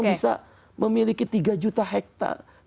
tidak memiliki tiga juta hektar